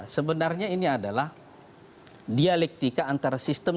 sebenarnya ini adalah dialektika antara sistem